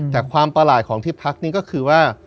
แต่ความประหลาดของที่พักนี้ก็คือว่า